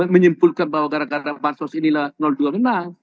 menyimpulkan bahwa gara gara pansus ini dua menang